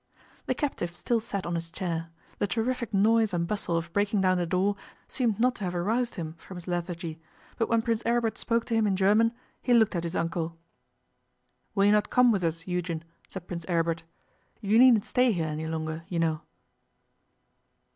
The captive still sat on his chair. The terrific noise and bustle of breaking down the door seemed not to have aroused him from his lethargy, but when Prince Aribert spoke to him in German he looked at his uncle. 'Will you not come with us, Eugen?' said Prince Aribert; 'you needn't stay here any longer, you know.